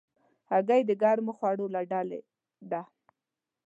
هګۍ د ګرمو خوړو له ډلې ده.